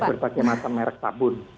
ada berbagai macam merek tabun